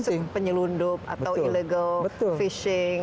misalnya yang masuk penyelundup atau illegal fishing